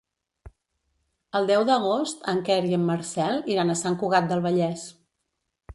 El deu d'agost en Quer i en Marcel iran a Sant Cugat del Vallès.